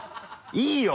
いいよ！